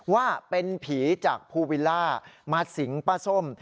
ว่าเป็นผีจากภูวิลล่ามาสิงป้าส้ม